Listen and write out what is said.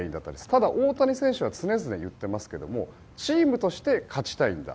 ただ、大谷選手は常々言っていますがチームとして勝ちたいんだ。